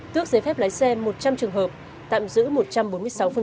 tước giấy phép lái xe một trăm linh trường hợp tạm giữ một trăm bốn mươi sáu phương tiện